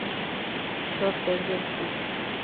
Shorts:Verde Oscuro.